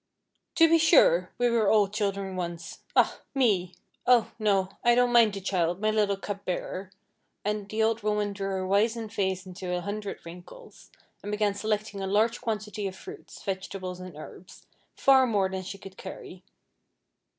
"To be sure! we were all children once. Ah! me! "Oh, no! I don't mind the child, my little cup bearer," and the old woman drew her wizen face into a hundred wrinkles, and began selecting a large quantity of fruits, vegetables and herbs, far more than she could carry.